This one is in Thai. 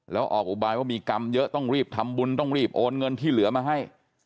แล้วออกอุบายว่ามีกรรมเยอะต้องรีบทำบุญต้องรีบโอนเงินที่เหลือมาให้